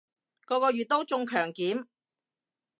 個個月都中強檢